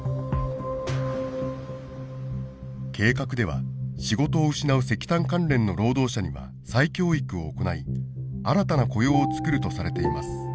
計画では仕事を失う石炭関連の労働者には再教育を行い新たな雇用をつくるとされています。